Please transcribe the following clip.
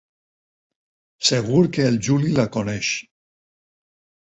Segur que el Juli la coneix.